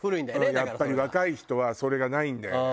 やっぱり若い人はそれがないんだよね。